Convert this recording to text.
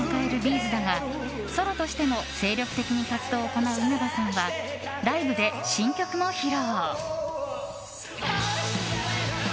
’ｚだがソロとしても精力的に活動を行う稲葉さんは、ライブで新曲も披露。